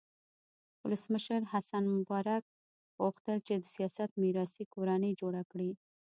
ولسمشر حسن مبارک غوښتل چې د سیاست میراثي کورنۍ جوړه کړي.